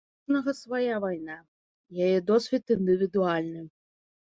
У кожнага свая вайна, яе досвед індывідуальны.